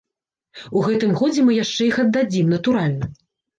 У гэтым годзе мы яшчэ іх аддадзім, натуральна.